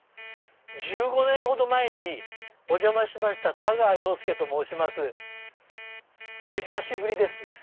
１５年ほど前にお邪魔しました太川陽介と申しますお久しぶりです。